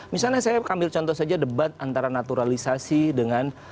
misalnya saya ambil contoh saja debat antara naturalisasi dengan